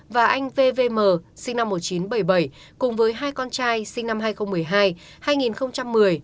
và anh vvm sinh năm một nghìn chín trăm bảy mươi bảy cùng với hai con trai sinh năm hai nghìn một mươi hai